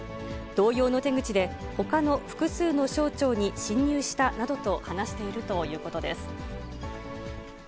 同様の手口で、ほかの複数の省庁に侵入したなどと話しているということです。